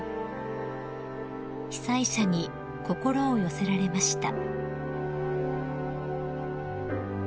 ［被災者に心を寄せられました］